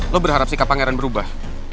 lo berharap sikap pangeran berubah